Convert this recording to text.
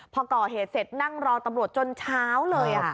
พอก่อเหตุเสร็จนั่งรอตำรวจจนเช้าเลย